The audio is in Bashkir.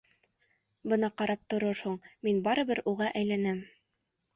Бына ҡарап торорһоң, мин барыбер уға әйләнәм.